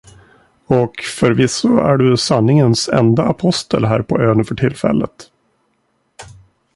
Och förvisso är du sanningens enda apostel här på ön för tillfället.